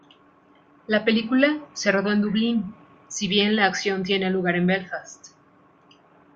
La película se rodó en Dublín, si bien la acción tiene lugar en Belfast.